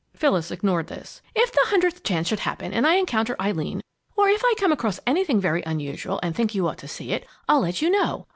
Phyllis ignored this. "If the hundredth chance should happen and I encounter Eileen, or if I come across anything very unusual and think you ought to see it, I'll let you know.